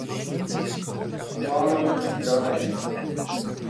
Humanum Vitae